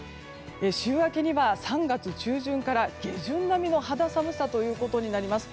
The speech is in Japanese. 週明けには、３月中旬から下旬並みの肌寒さとなります。